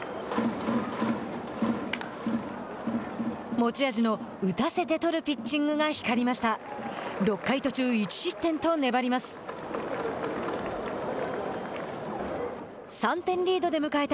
持ち味の打たせてとるピッチングが光りました。